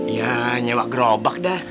ya nyewa gerobak dah